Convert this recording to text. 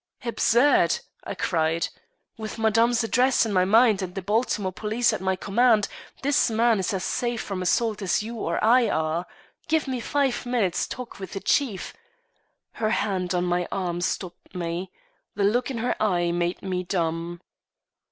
"Absurd!" I cried. "With Madame's address in my mind and the Baltimore police at my command, this man is as safe from assault as you or I are. Give me five minutes' talk with Chief " Her hand on my arm stopped me; the look in her eye made me dumb.